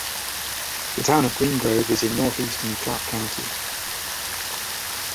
The town of Green Grove is in northeastern Clark County.